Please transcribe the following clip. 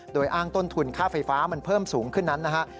โดยอ้างต้นทุนค่าไฟฟ้ามันเพิ่มสูงขึ้นนั้นนะฮะ